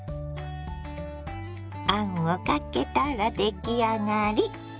あんをかけたら出来上がり。